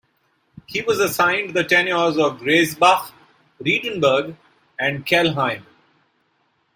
He was assigned the tenures of Graisbach, Riedenburg and Kelheim.